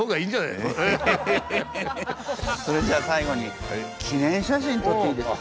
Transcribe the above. それじゃあ最後に記念写真撮っていいですか？